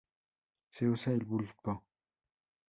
Se usa el bulbo.